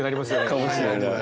かもしれない。